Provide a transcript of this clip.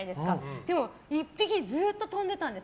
でも、１匹ずっと飛んでたんです。